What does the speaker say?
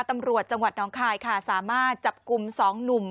ตำรวจจังหวัดน้องคายค่ะสามารถจับกลุ่ม๒หนุ่ม